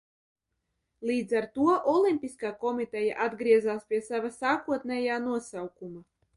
Līdz ar to Olimpiskā komiteja atgriezās pie sava sākotnējā nosaukuma.